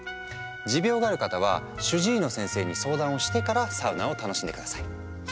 持病がある方は主治医の先生に相談をしてからサウナを楽しんで下さい。